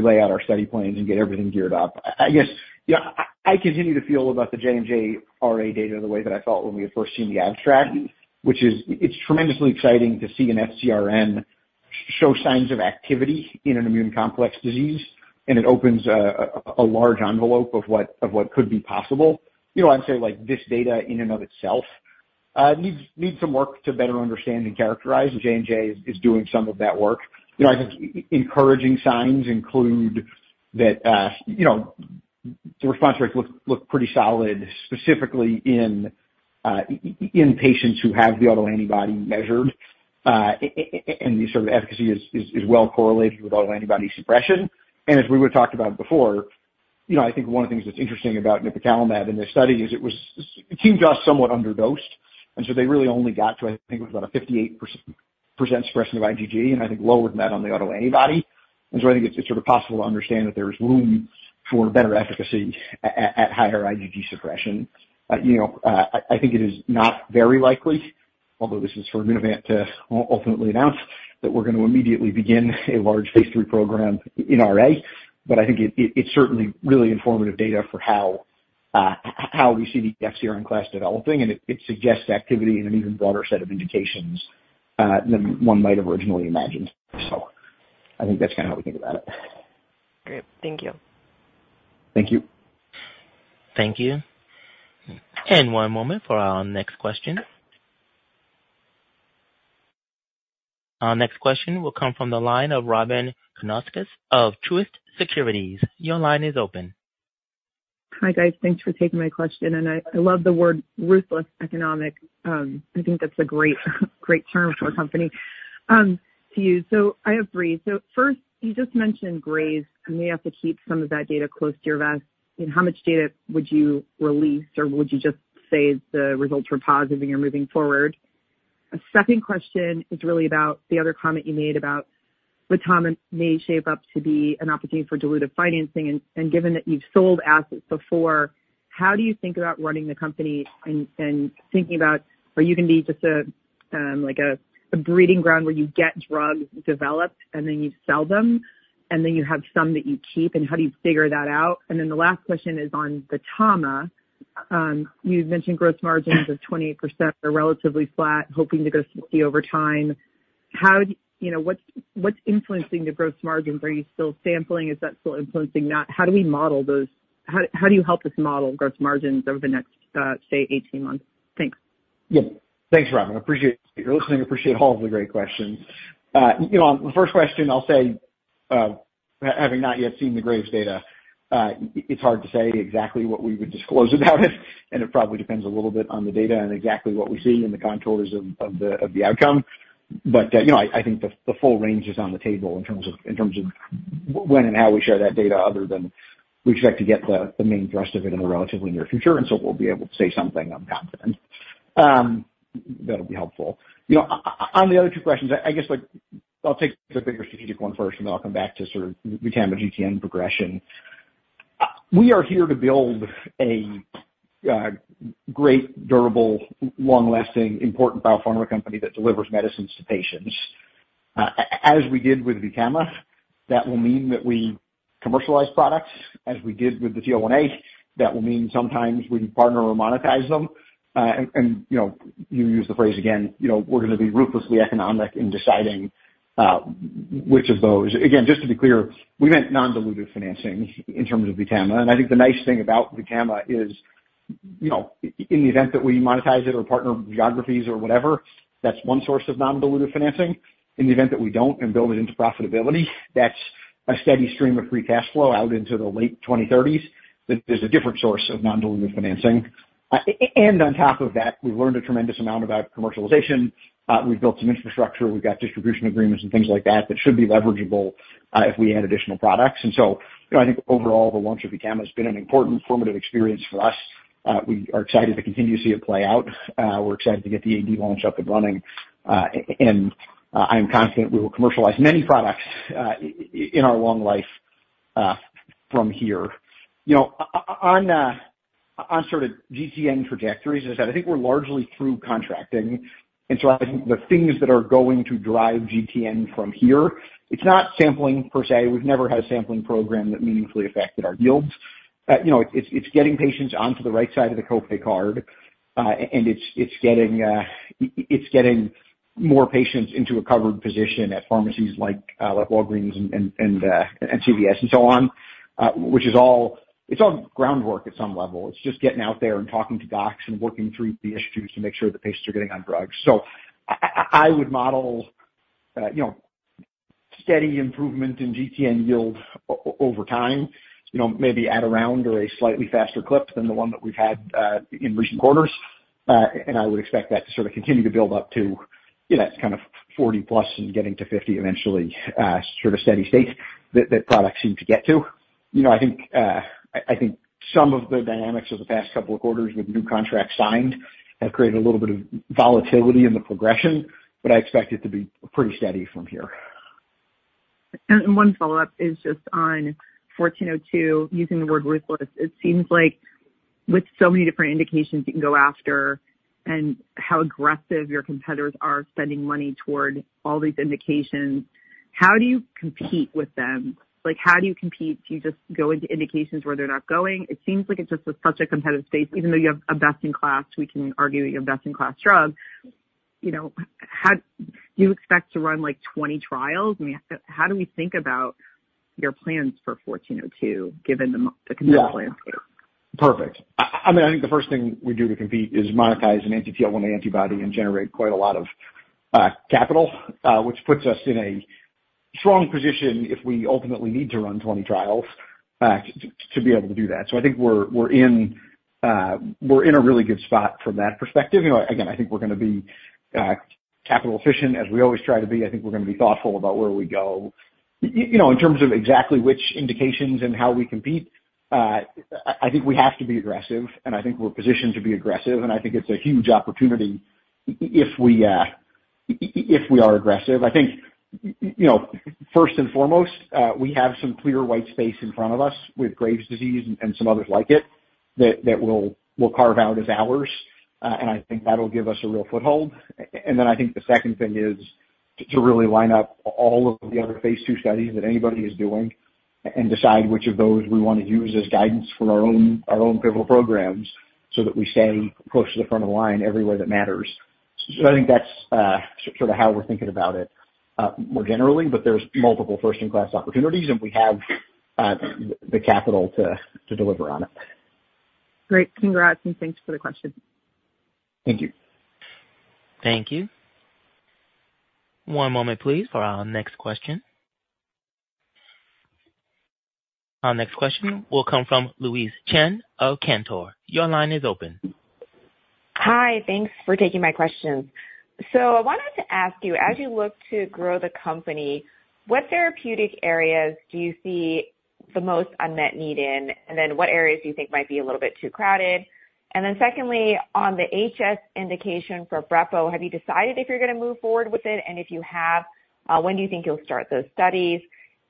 lay out our study plans and get everything geared up. I guess, you know, I continue to feel about the J&J RA data the way that I felt when we had first seen the abstract, which is, it's tremendously exciting to see an FcRn show signs of activity in an immune complex disease, and it opens a large envelope of what could be possible. You know, I'd say, like, this data in and of itself needs some work to better understand and characterize, and J&J is doing some of that work. You know, I think encouraging signs include that, you know, the response rates look pretty solid, specifically in patients who have the autoantibody measured. And the sort of efficacy is well correlated with autoantibody suppression. And as we would've talked about before, you know, I think one of the things that's interesting about nipocalimab in this study is it was, it seemed just somewhat underdosed, and so they really only got to, I think it was about a 58% suppression of IgG, and I think lower than that on the autoantibody. And so I think it's sort of possible to understand that there is room for better efficacy at higher IgG suppression. You know, I think it is not very likely, although this is for Immunovant to ultimately announce, that we're going to immediately begin a large phase III program in RA, but I think it's certainly really informative data for how we see the FcRn class developing, and it suggests activity in an even broader set of indications than one might have originally imagined. So I think that's kind of how we think about it. Great. Thank you. Thank you. Thank you. One moment for our next question. Our next question will come from the line of Robyn Karnauskas of Truist Securities. Your line is open. Hi, guys. Thanks for taking my question, and I love the word ruthless economic. I think that's a great, great term for a company to use. So I have three. So first, you just mentioned Graves, and you have to keep some of that data close to your vest. And how much data would you release, or would you just say the results were positive and you're moving forward? A second question is really about the other comment you made about VTAMA may shape up to be an opportunity for dilutive financing. Given that you've sold assets before, how do you think about running the company and thinking about, are you going to be just a like a breeding ground where you get drugs developed and then you sell them, and then you have some that you keep, and how do you figure that out? And then the last question is on VTAMA. You've mentioned gross margins of 28% are relatively flat, hoping to go 60% over time. How, you know, what's influencing the gross margins? Are you still sampling? Is that still influencing that? How do we model those? How do you help us model gross margins over the next, say, 18 months? Thanks. Yeah. Thanks, Robyn. I appreciate your listening. I appreciate all of the great questions. You know, on the first question, I'll say, having not yet seen the Graves data, it's hard to say exactly what we would disclose about it, and it probably depends a little bit on the data and exactly what we see in the contours of the outcome. But, you know, I think the full range is on the table in terms of when and how we share that data, other than we expect to get the main thrust of it in the relatively near future, and so we'll be able to say something, I'm confident. That'll be helpful. You know, on the other two questions, I guess like I'll take the bigger strategic one first, and then I'll come back to sort of VTAMA GTN progression. We are here to build a great, durable, long-lasting, important biopharma company that delivers medicines to patients. As we did with VTAMA, that will mean that we commercialize products, as we did with the TL1A. That will mean sometimes we partner or monetize them. And, you know, you use the phrase again, you know, we're going to be ruthlessly economic in deciding which of those. Again, just to be clear, we meant non-dilutive financing in terms of VTAMA. And I think the nice thing about VTAMA is, you know, in the event that we monetize it or partner geographies or whatever, that's one source of non-dilutive financing. In the event that we don't and build it into profitability, that's a steady stream of free cash flow out into the late 2030s. That is a different source of non-dilutive financing. And on top of that, we've learned a tremendous amount about commercialization. We've built some infrastructure, we've got distribution agreements and things like that, that should be leverageable, if we add additional products. And so, you know, I think overall, the launch of VTAMA has been an important formative experience for us. We are excited to continue to see it play out. We're excited to get the AD launch up and running. And, I'm confident we will commercialize many products, in our long life, from here. You know, on sort of GTN trajectories, as I said, I think we're largely through contracting. So I think the things that are going to drive GTN from here, it's not sampling per se. We've never had a sampling program that meaningfully affected our yields. You know, it's getting patients onto the right side of the copay card, and it's getting more patients into a covered position at pharmacies like Walgreens and CVS and so on, which is all, it's all groundwork at some level. It's just getting out there and talking to docs and working through the issues to make sure that patients are getting on drugs. So I would model, you know, steady improvement in GTN yield over time, you know, maybe at around or a slightly faster clip than the one that we've had in recent quarters. I would expect that to sort of continue to build up to, you know, kind of 40+ and getting to 50 eventually, sort of steady state that products seem to get to. You know, I think some of the dynamics of the past couple of quarters with new contracts signed have created a little bit of volatility in the progression, but I expect it to be pretty steady from here. One follow-up is just on 1402, using the word ruthless. It seems like with so many different indications you can go after and how aggressive your competitors are spending money toward all these indications, how do you compete with them? Like, how do you compete? Do you just go into indications where they're not going? It seems like it's just such a competitive space, even though you have a best-in-class, we can argue that you have a best-in-class drug. You know, how do you expect to run, like, 20 trials? I mean, how do we think about your plans for 1402, given the the competitive landscape? Perfect. I mean, I think the first thing we do to compete is monetize an anti-TL1A antibody and generate quite a lot of capital, which puts us in a strong position if we ultimately need to run 20 trials to be able to do that. So I think we're in a really good spot from that perspective. You know, again, I think we're gonna be capital efficient, as we always try to be. I think we're gonna be thoughtful about where we go. You know, in terms of exactly which indications and how we compete, I think we have to be aggressive, and I think we're positioned to be aggressive. And I think it's a huge opportunity if we are aggressive. I think, you know, first and foremost, we have some clear white space in front of us with Graves' disease and some others like it, that we'll carve out as ours, and I think that'll give us a real foothold. And then I think the second thing is to really line up all of the other phase II studies that anybody is doing, and decide which of those we want to use as guidance for our own clinical programs, so that we stay close to the front of the line everywhere that matters. So I think that's sort of how we're thinking about it more generally, but there's multiple first-in-class opportunities, and we have the capital to deliver on it. Great. Congrats, and thanks for the question. Thank you. Thank you. One moment, please, for our next question. Our next question will come from Louise Chen of Cantor. Your line is open. Hi, thanks for taking my questions. So I wanted to ask you, as you look to grow the company, what therapeutic areas do you see the most unmet need in? And then what areas do you think might be a little bit too crowded? And then secondly, on the HS indication for Brepo, have you decided if you're gonna move forward with it? And if you have, when do you think you'll start those studies?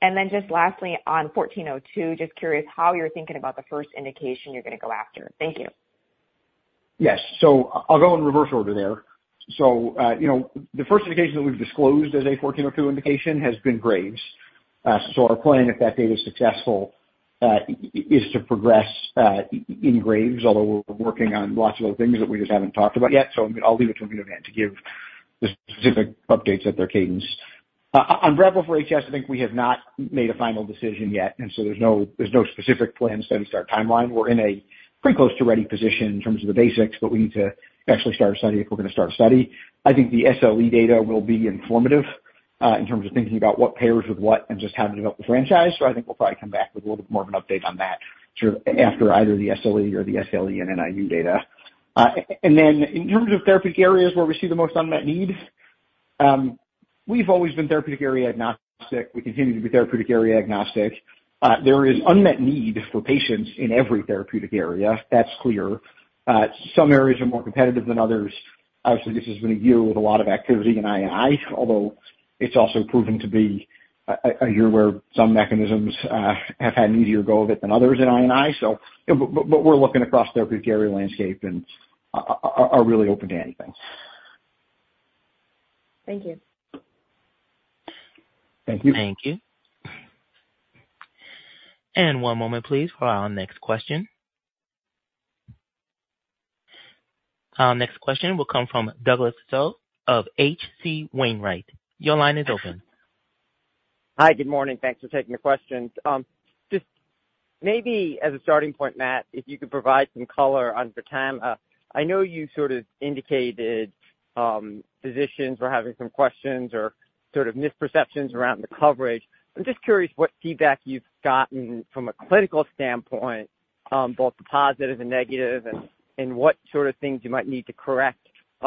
And then just lastly, on 1402, just curious how you're thinking about the first indication you're gonna go after. Thank you. Yes. So I'll go in reverse order there. So, you know, the first indication that we've disclosed as an IMVT-1402 indication has been Graves. So our plan, if that data is successful, is to progress in Graves, although we're working on lots of other things that we just haven't talked about yet, so I'll leave it to Immunovant to give the specific updates at their cadence. On Brepo for HS, I think we have not made a final decision yet, and so there's no, there's no specific plan study start timeline. We're in a pretty close to ready position in terms of the basics, but we need to actually start a study if we're gonna start a study. I think the SLE data will be informative in terms of thinking about what pairs with what and just how to develop the franchise. So I think we'll probably come back with a little bit more of an update on that sort of after either the SLE or the SLE and NIU data. And then in terms of therapeutic areas where we see the most unmet needs, we've always been therapeutic area agnostic. We continue to be therapeutic area agnostic. There is unmet need for patients in every therapeutic area. That's clear. Some areas are more competitive than others. Obviously, this has been a year with a lot of activity in I&I, although it's also proven to be a year where some mechanisms have had an easier go of it than others in I&I. But we're looking across therapeutic area landscape and are really open to anything. Thank you. Thank you. Thank you. One moment, please, for our next question. Our next question will come from Douglas Tsao of H.C. Wainwright. Your line is open. Hi, good morning. Thanks for taking the questions. Just maybe as a starting point, Matt, if you could provide some color on VTAMA. I know you sort of indicated, physicians were having some questions or sort of misperceptions around the coverage. I'm just curious what feedback you've gotten from a clinical standpoint, both positive and negative, and what sort of things you might need to correct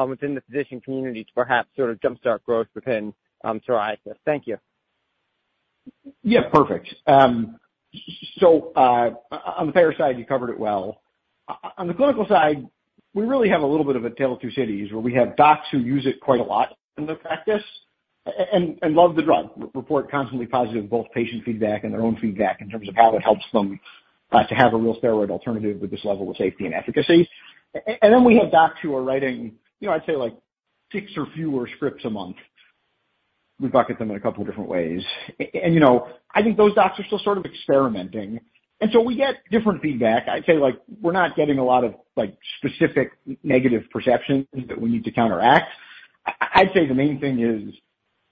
within the physician community to perhaps sort of jumpstart growth within psoriasis. Thank you. Yeah, perfect. So, on the payer side, you covered it well. On the clinical side, we really have a little bit of a tale of two cities, where we have docs who use it quite a lot in their practice and, and love the drug. Report constantly positive, both patient feedback and their own feedback in terms of how it helps them to have a real steroid alternative with this level of safety and efficacy. And then we have docs who are writing, you know, I'd say like six or fewer scripts a month. We bucket them in a couple different ways. And, you know, I think those docs are still sort of experimenting, and so we get different feedback. I'd say, like, we're not getting a lot of, like, specific negative perceptions that we need to counteract. I'd say the main thing is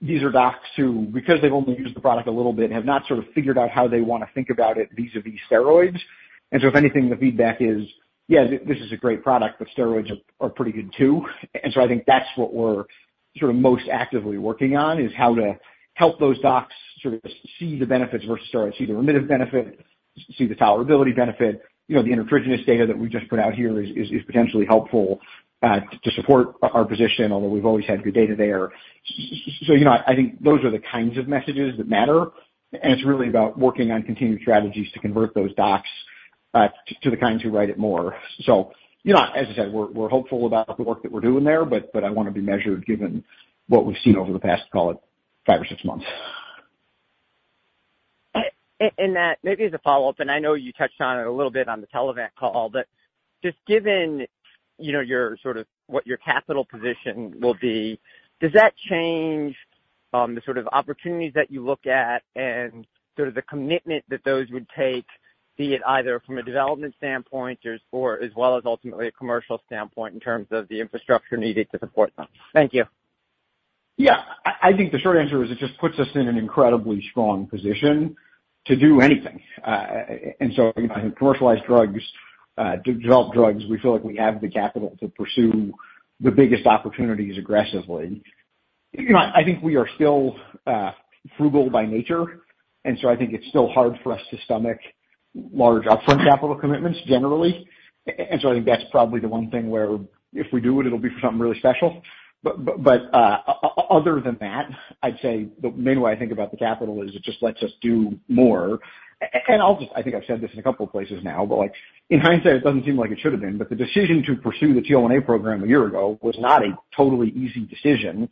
these are docs who, because they've only used the product a little bit, have not sort of figured out how they wanna think about it vis-a-vis steroids. And so if anything, the feedback is: "Yeah, this is a great product, but steroids are, are pretty good, too." And so I think that's what we're sort of most actively working on, is how to help those docs sort of see the benefits versus or see the remittive benefit, see the tolerability benefit. You know, the intertriginous data that we just put out here is, is, is potentially helpful to support our position, although we've always had good data there. So, you know, I think those are the kinds of messages that matter, and it's really about working on continued strategies to convert those docs to the kinds who write it more. You know, as I said, we're hopeful about the work that we're doing there, but I wanna be measured given what we've seen over the past, call it, five or six months. And Matt, maybe as a follow-up, and I know you touched on it a little bit on the Telavant call, but just given, you know, your sort of what your capital position will be, does that change the sort of opportunities that you look at and sort of the commitment that those would take, be it either from a development standpoint or as well as ultimately a commercial standpoint in terms of the infrastructure needed to support them? Thank you. Yeah, I think the short answer is it just puts us in an incredibly strong position to do anything. And so I think commercialized drugs, develop drugs, we feel like we have the capital to pursue the biggest opportunities aggressively. You know, I think we are still frugal by nature, and so I think it's still hard for us to stomach large upfront capital commitments generally. And so I think that's probably the one thing where if we do it, it'll be for something really special. But other than that, I'd say the main way I think about the capital is it just lets us do more. And I'll just. I think I've said this in a couple of places now, but, like, in hindsight, it doesn't seem like it should have been, but the decision to pursue the TL1A program a year ago was not a totally easy decision,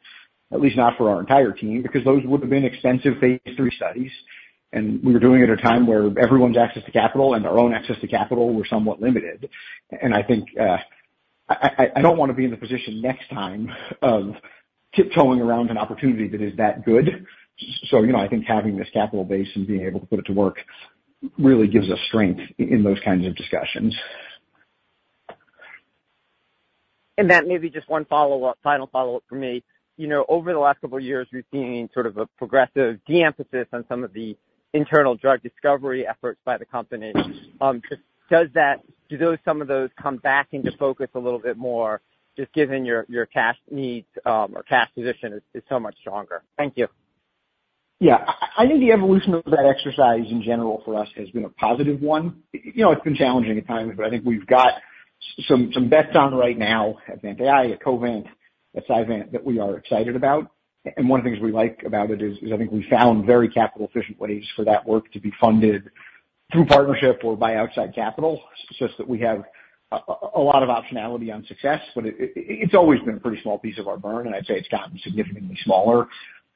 at least not for our entire team, because those would have been extensive phase III studies. And we were doing it at a time where everyone's access to capital and our own access to capital were somewhat limited. And I think, I don't wanna be in the position next time of tiptoeing around an opportunity that is that good. So, you know, I think having this capital base and being able to put it to work really gives us strength in those kinds of discussions. Matt, maybe just one follow-up, final follow-up for me. You know, over the last couple of years, we've seen sort of a progressive de-emphasis on some of the internal drug discovery efforts by the company. Do those, some of those come back into focus a little bit more, just given your cash needs or cash position is so much stronger? Thank you. Yeah. I think the evolution of that exercise in general for us has been a positive one. You know, it's been challenging at times, but I think we've got some bets on right now at Telavant, at Covant, at Psivant, that we are excited about. And one of the things we like about it is I think we found very capital efficient ways for that work to be funded through partnership or by outside capital, such that we have a lot of optionality on success. But it, it's always been a pretty small piece of our burn, and I'd say it's gotten significantly smaller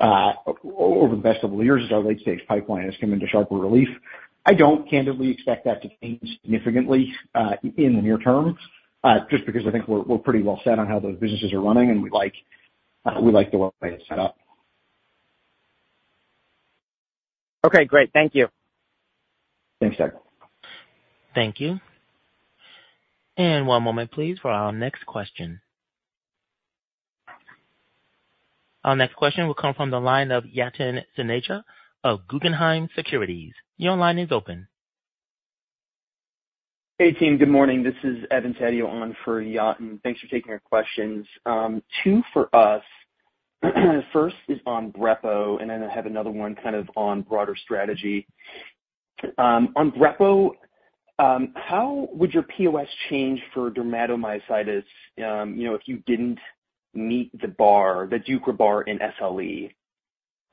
over the past few years as our late stage pipeline has come into sharper relief. I don't candidly expect that to change significantly, in the near term, just because I think we're pretty well set on how those businesses are running, and we like the way it's set up. Okay, great. Thank you. Thanks Doug. Thank you. One moment, please, for our next question. Our next question will come from the line of Yatin Suneja of Guggenheim Securities. Your line is open. Hey, team, good morning. This is Evan Taddeo on for Yatin. Thanks for taking our questions. Two for us. First is on Brepo, and then I have another one kind of on broader strategy. On Brepo, how would your POS change for dermatomyositis, you know, if you didn't meet the bar, the Deucra bar in SLE?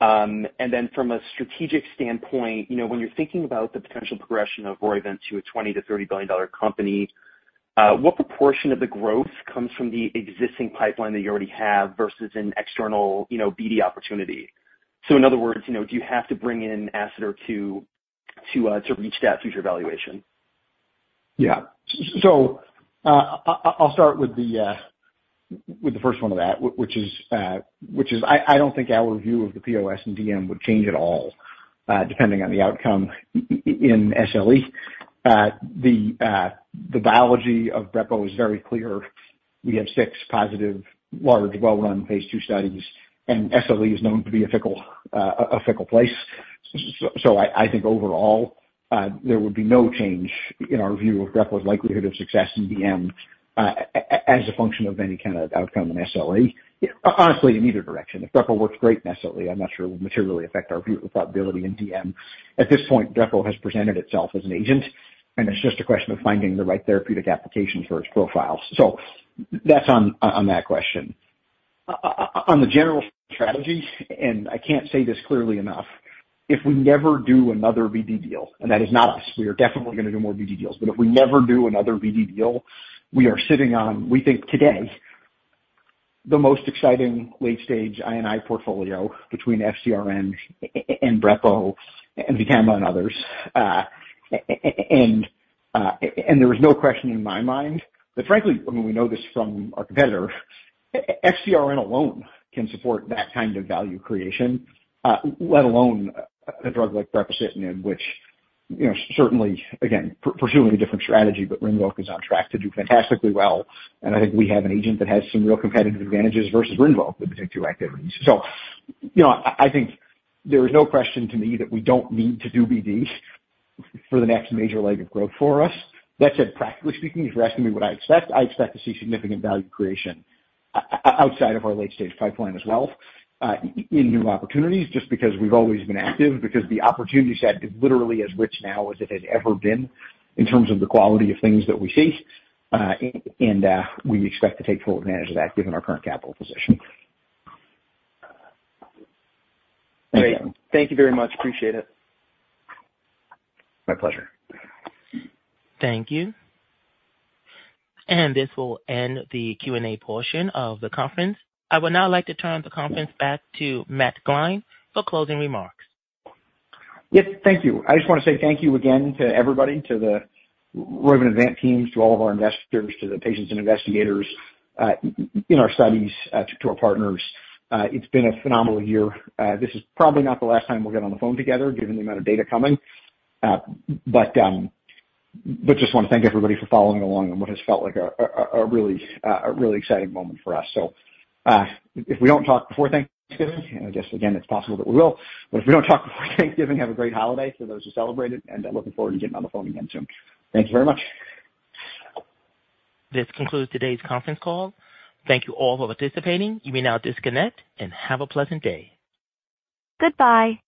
And then from a strategic standpoint, you know, when you're thinking about the potential progression of Roivant to a $20-$30 billion company, what proportion of the growth comes from the existing pipeline that you already have versus an external, you know, BD opportunity? So in other words, you know, do you have to bring in asset or two to reach that future valuation? Yeah. So, I'll start with the first one of that, which is I don't think our view of the POS and DM would change at all, depending on the outcome in SLE. The biology of Brepo is very clear. We have six positive, large, well-run phase II studies, and SLE is known to be a fickle place. So I think overall, there would be no change in our view of Brepo's likelihood of success in DM, as a function of any kind of outcome in SLE. Honestly, in either direction, if Brepo works great in SLE, I'm not sure it will materially affect our view of probability in DM. At this point, Brepo has presented itself as an agent, and it's just a question of finding the right therapeutic application for its profile. So that's on that question. On the general strategy, and I can't say this clearly enough, if we never do another BD deal, and that is not us, we are definitely going to do more BD deals, but if we never do another BD deal, we are sitting on, we think today, the most exciting late-stage I&I portfolio between FcRn and Brepo and VTAMA and others. There is no question in my mind that frankly, and we know this from our competitor, FcRn alone can support that kind of value creation, let alone a drug like brepocitinib, which, you know, certainly, again, pursuing a different strategy, but Rinvoq is on track to do fantastically well, and I think we have an agent that has some real competitive advantages versus Rinvoq between two activities. So, you know, I think there is no question to me that we don't need to do BDs for the next major leg of growth for us. That said, practically speaking, if you're asking me what I expect, I expect to see significant value creation outside of our late-stage pipeline as well, in new opportunities, just because we've always been active, because the opportunity set is literally as rich now as it has ever been in terms of the quality of things that we see, and we expect to take full advantage of that given our current capital position. Great. Thank you very much. Appreciate it. My pleasure. Thank you. This will end the Q&A portion of the conference. I would now like to turn the conference back to Matt Klein for closing remarks. Yes, thank you. I just want to say thank you again to everybody, to the Roivant Vant teams, to all of our investors, to the patients and investigators in our studies, to our partners. It's been a phenomenal year. This is probably not the last time we'll get on the phone together, given the amount of data coming. But just want to thank everybody for following along on what has felt like a really exciting moment for us. So, if we don't talk before Thanksgiving, and I guess again, it's possible that we will, but if we don't talk before Thanksgiving, have a great holiday for those who celebrate it, and I'm looking forward to getting on the phone again soon. Thank you very much. This concludes today's conference call. Thank you all for participating. You may now disconnect and have a pleasant day. Goodbye.